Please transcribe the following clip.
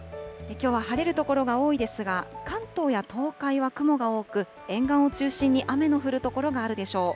きょうは晴れる所が多いですが、関東や東海は雲が多く、沿岸を中心に雨の降る所があるでしょう。